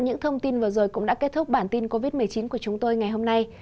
những thông tin vừa rồi cũng đã kết thúc bản tin covid một mươi chín của chúng tôi ngày hôm nay